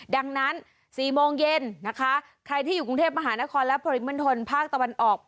ดังนั้น๔โมงเย็นนะคะใครที่อยู่กรุงเทพมหานครและปริมณฑลภาคตะวันออก